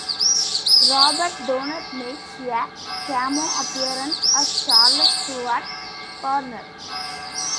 Robert Donat makes a cameo appearance as Charles Stuart Parnell.